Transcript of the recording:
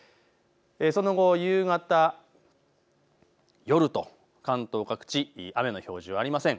その後、夕方、夜と関東各地雨の表示はありません。